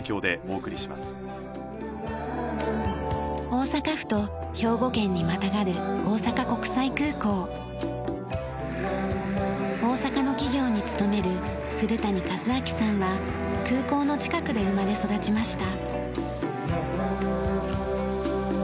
大阪府と兵庫県にまたがる大阪の企業に勤める古谷和明さんは空港の近くで生まれ育ちました。